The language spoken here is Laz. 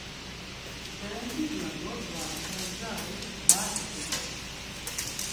Serentiz na dodvare erzaği var ok̆ixven.